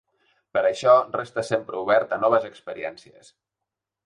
Per això resta sempre obert a noves experiències.